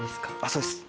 そうです。